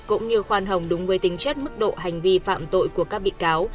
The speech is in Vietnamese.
cũng như khoan hồng đúng với tính chất mức độ hành vi phạm tội của các bị cáo